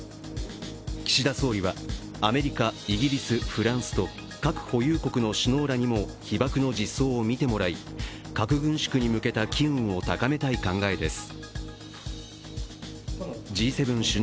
岸田総理は、アメリカ、イギリス、フランスと核保有国の首脳らにも被爆の実相を見てもらい、核軍縮に向けた機運を高めたい考えです。